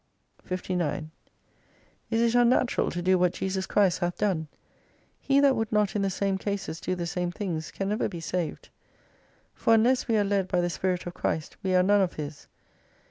59 Is it unnatural to do what Jesus Christ hath done ? He that would not in the same cases do the same things can never be saved. For unless we are led by the Spirit of Christ we are none of His.